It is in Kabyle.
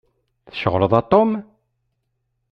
Tceɣleḍ, a Tom?